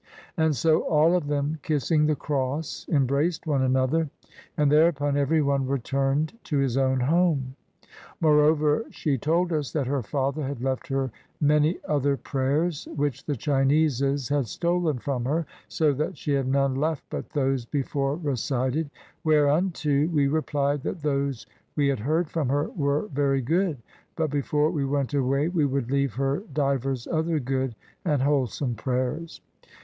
And so all of them, kissing the cross, embraced one another, and 151 CHINA thereupon every one returned to his own home. More over, she told us that her father had left her many other prayers, which the Chineses had stolen from her, so that she had none left but those before recited; whereunto we replied that those we had heard from her were very good, but before we went away we would leave her divers other good and wholesome prayers.